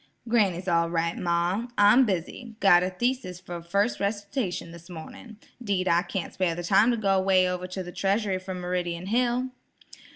"Granny's all right, ma. I'm busy. Got a thesis for first recitation this morning. 'Deed I can't spare the time to go way over to the treasury from Meridian hill."